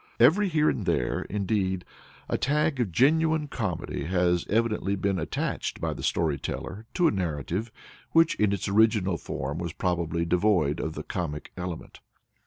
Every here and there, indeed, a tag of genuine comedy has evidently been attached by the story teller to a narrative which in its original form was probably devoid of the comic element.